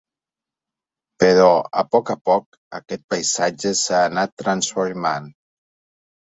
Però, a poc a poc, aquest paisatge s’ha anat transformant.